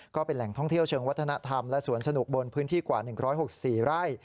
ก็เป็นแหล่งท่องเที่ยวเชิงวัฒนธรรมและสวนสนุกบนพื้นที่กว่า๑๖๔ไร่